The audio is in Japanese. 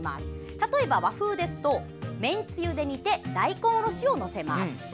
例えば和風ですとめんつゆで煮て大根おろしを載せます。